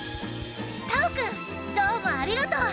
たおくんどうもありがとう！